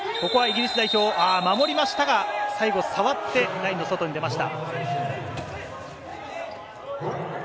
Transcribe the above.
ここはイギリス代表守りましたが、最後触ってラインの外に出ました。